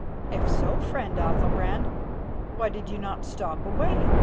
"If so, friend Athalbrand, why did you not stop away?"